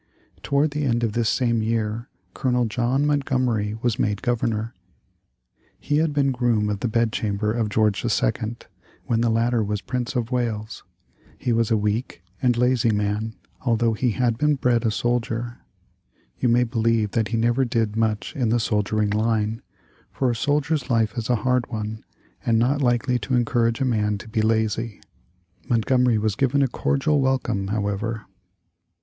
Toward the end of this same year Colonel John Montgomery was made Governor. He had been groom of the bedchamber of George II. when the latter was Prince of Wales. He was a weak and lazy man, although he had been bred a soldier. You may believe that he never did much in the soldiering line, for a soldier's life is a hard one, and not likely to encourage a man to be lazy. Montgomery was given a cordial welcome, however.